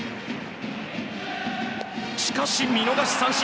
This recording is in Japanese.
しかし見逃し三振。